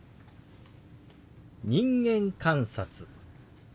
「人間観察」。